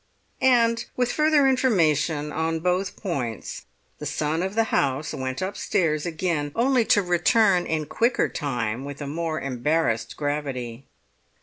And with further information on both points the son of the house went upstairs again, only to return in quicker time with a more embarrassed gravity.